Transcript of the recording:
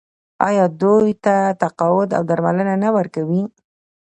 آیا دوی ته تقاعد او درملنه نه ورکوي؟